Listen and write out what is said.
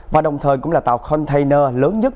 và đồng thời cũng là tàu container lớn nhất